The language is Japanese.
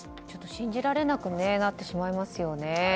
ちょっと信じられなくなってしまいますよね。